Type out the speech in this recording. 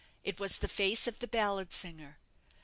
It was the face of the ballad singer.